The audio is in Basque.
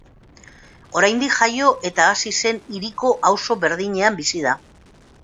Oraindik jaio eta hazi zen hiriko auzo berdinean bizi da.